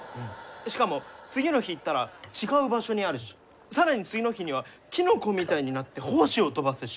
しかも次の日行ったら違う場所にあるし更に次の日にはキノコみたいになって胞子を飛ばすし。